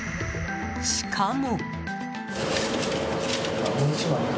しかも。